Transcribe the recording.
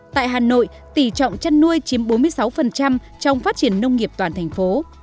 tại hà nội tỷ trọng chăn nuôi chiếm bốn mươi sáu trong phát triển nông nghiệp toàn thành phố